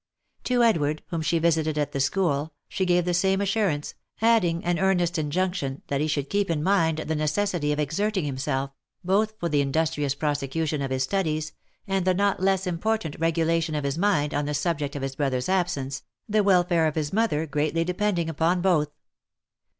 To Edward, whom she visited at the school, she gave the same assurance, adding an earnest injunction that he should keep in mind the necessity of exerting himself, both for the industrious prosecution of his studies, and the not less important regulation of his mind on the subject of his brother's absence, the welfare of his mother greatly de pending upon both.